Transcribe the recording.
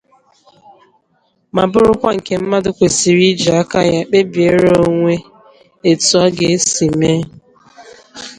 ma bụrụkwa nke mmadụ kwesiri iji aka ya kpebiere onwe etu ọ ga-esi mee